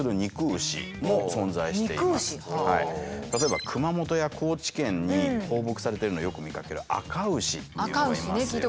例えば熊本や高知県に放牧されてるのをよく見かける「あか牛」っていうのがいますよね。